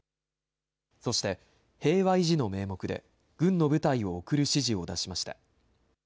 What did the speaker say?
そして平和維持の名目で軍の部隊を送る指示を出しました。